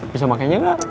bisa makannya gak